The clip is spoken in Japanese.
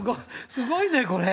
すごいね、これ。